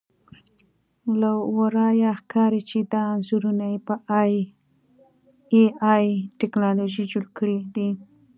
له ورایه ښکاري چې دا انځورونه یې په اې ائ ټکنالوژي جوړ کړي دي